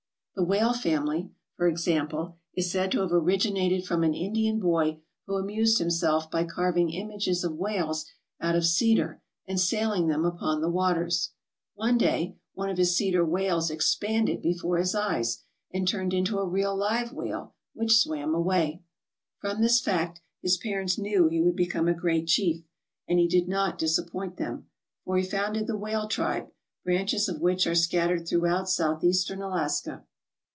The Whale family, for example, is said to have originated from an Indian boy who amused himself by carving images of whales out of cedar and sailing them upon the waters. One day one of his cedar whales expanded before his eyes and turned into a real live whale, which swam away. From this fact his parents knew he would become a great chief, and he did not disappoint them, for he founded the Whale tribe, branches of which are scattered throughout Southeastern Alaska.